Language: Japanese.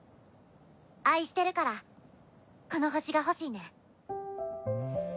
愛してるからこの惑星が欲しいねん。